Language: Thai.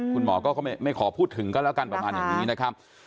คุณหมอก็ไม่ขอพูดถึงก็แล้วกันประมาณอย่างนี้นะครับ